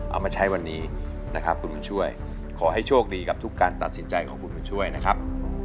เอามาใช้วันนี้นะครับคุณบุญช่วยขอให้โชคดีกับทุกการตัดสินใจของคุณบุญช่วยนะครับ